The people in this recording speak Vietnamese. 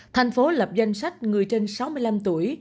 thành phố lập danh sách người trên sáu mươi năm tuổi